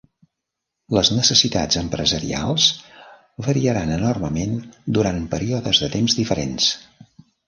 Les necessitats empresarials variaran enormement durant períodes de temps diferents.